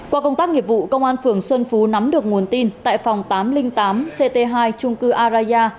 qua công tác nghiệp vụ công an phường xuân phú nắm được nguồn tin tại phòng tám trăm linh tám ct hai trung cư araya